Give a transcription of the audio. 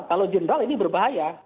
kalau general ini berbahaya